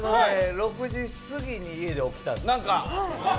６時過ぎに家で、起きたんです。